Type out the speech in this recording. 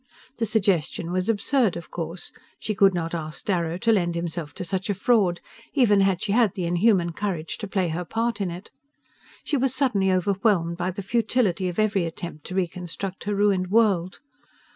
The suggestion was absurd, of course. She could not ask Darrow to lend himself to such a fraud, even had she had the inhuman courage to play her part in it. She was suddenly overwhelmed by the futility of every attempt to reconstruct her ruined world.